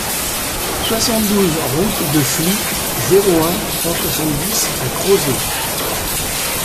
soixante-douze route de Flies, zéro un, cent soixante-dix à Crozet